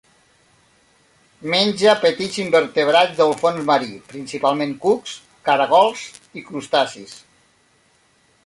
Menja petits invertebrats del fons marí, principalment cucs, caragols i crustacis.